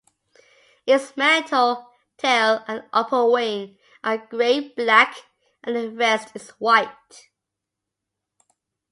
Its mantle, tail and upperwing are grey-black, and the rest is white.